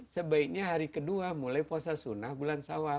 sebaiknya hari kedua mulai puasa sunnah bulan sawal